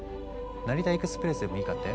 成田エクスプレスでもいいかって？